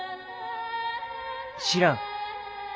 知らん。